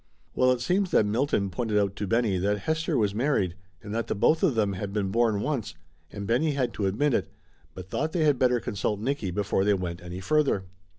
Well, it seems that Milton pointed out to Benny that Hester was mar ried, and that the both of them had been born once, and Benny had to admit it, but thought they had better consult Nicky before they went any further.